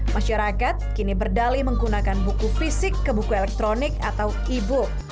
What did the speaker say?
masyarakat kini berdali menggunakan buku fisik ke buku elektronik atau e book